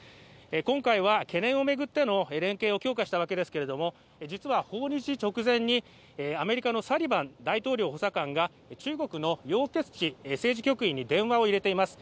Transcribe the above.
今回は懸念を巡っての連携を強化したわけですけれども実は訪日直前に、アメリカのサリバン大統領補佐官が中国の楊潔チ政治局員に電話を入れています。